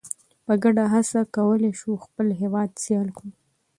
په ګډه هڅه موږ کولی شو خپل هیواد سیال کړو.